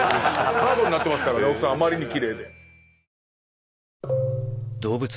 カードになってますからね奥さんあまりにきれいで。